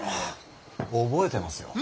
覚えてますよ。